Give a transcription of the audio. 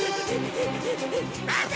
待て！